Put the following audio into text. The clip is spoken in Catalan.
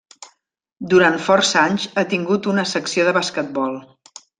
Durant força anys ha tingut una secció de basquetbol.